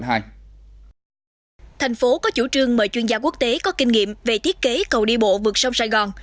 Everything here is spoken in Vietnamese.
thành phố có chủ trương mời chuyên gia quốc tế có kinh nghiệm về thiết kế cầu đi bộ vượt sông sài gòn